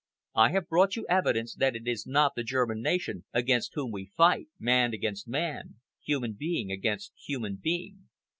I have brought you evidence that it is not the German nation against whom we fight, man against man, human being against human being.